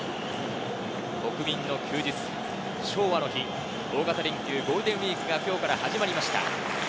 国民の休日、昭和の日、大型連休、ゴールデンウイークが今日から始まりました。